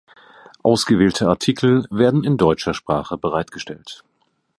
Ausgewählte Artikel werden in deutscher Sprache bereitgestellt.